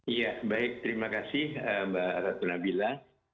iya baik terima kasih mbak atasunabila